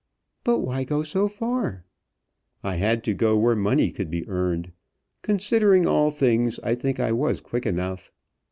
"But why go so far?" "I had to go where money could be earned. Considering all things, I think I was quick enough.